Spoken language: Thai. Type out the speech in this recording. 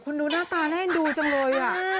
คุณดูหน้าตาแน่นดูจังเลย